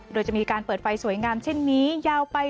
โดยจะมีการเปิดไฟสวยงามเช่นนี้ยาวไป